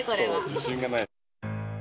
自信がない。